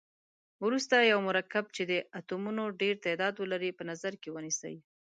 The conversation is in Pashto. وروسته یو مرکب چې د اتومونو ډیر تعداد ولري په نظر کې ونیسئ.